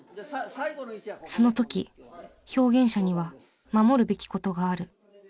その時表現者には守るべき事がある。